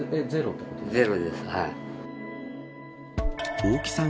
大木さん